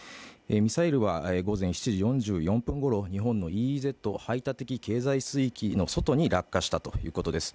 ミサイルは午前７時４４分頃日本のＥＥＺ排他的経済水域の外に落下したということです。